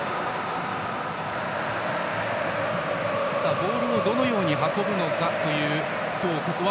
ボールをどのように運ぶのかというところを。